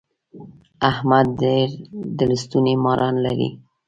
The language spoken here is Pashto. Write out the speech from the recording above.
احمد ډېر د لستوڼي ماران لري.